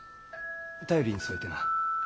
便りに添えてな。